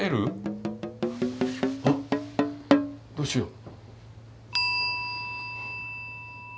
あっどうしよう。